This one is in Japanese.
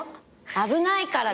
危ないからでも。